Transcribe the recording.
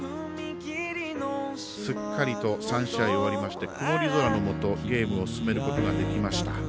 すっかりと３試合終わりまして曇り空のもとゲームを進めることができました。